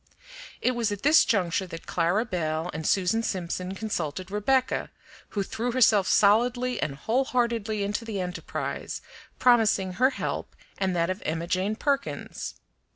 It was at this juncture that Clara Belle and Susan Simpson consulted Rebecca, who threw herself solidly and wholeheartedly into the enterprise, promising her help and that of Emma Jane Perkins.